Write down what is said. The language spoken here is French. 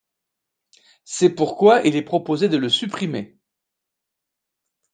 C’est pourquoi il est proposé de le supprimer.